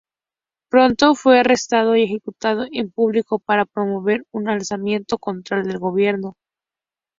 Pronto fue arrestado y ejecutado en público por promover un alzamiento contra el gobierno.